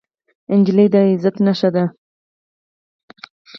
نجلۍ د عزت نښه ده.